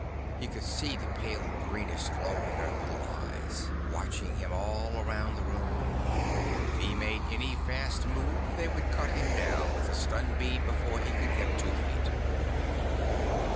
He could see the pale greenish glow of their little eyes watching him all around the room. If he made any fast move, they would cut him down with a stun beam before he could get two feet.